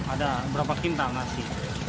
ada berapa kintal nasi